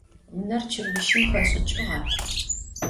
Vuner çırbışım xeş'ıç'ığa?